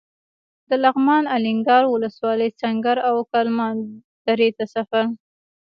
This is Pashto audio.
د لغمان الینګار ولسوالۍ سنګر او کلمان درې ته سفر.